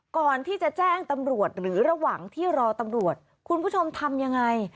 ก่อนที่จะแจ้งตำรวจหรือระหว่างที่รอตำรวจคุณผู้ชมทำยังไง